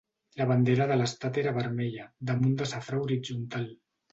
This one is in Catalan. La bandera de l'estat era vermella damunt de safrà horitzontal.